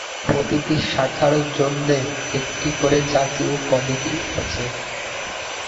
প্রতিটি শাখার জন্যে একটি করে জাতীয় কমিটি আছে।